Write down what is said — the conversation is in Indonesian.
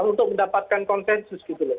untuk mendapatkan konsensus gitu loh